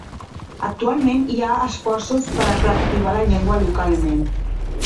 Actualment hi ha esforços per reactivar la llengua localment.